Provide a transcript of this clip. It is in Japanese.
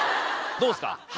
どうっすか？